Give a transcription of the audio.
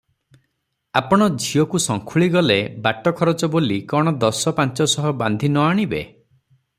ଆପଣ ଝିଅକୁ ସଙ୍ଖୁଳି ଗଲେ ବାଟଖରଚ ବୋଲି କଣ ଦସ ପାଞ୍ଚଶହ ବାନ୍ଧି ନ ଆଣିବେ?"